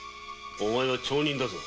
お前は町人だぞ。